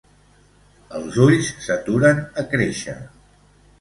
Els ulls s’aturen a créixer.